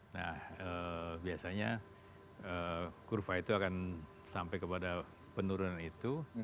nah biasanya kurva itu akan sampai kepada penurunan itu